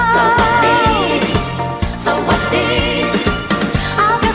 สวัสดี